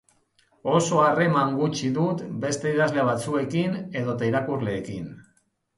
Oso harreman gutxi dut beste idazle batzuekin edota irakurleekin.